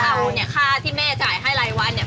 เอาเนี่ยค่าที่แม่จ่ายให้รายวันเนี่ย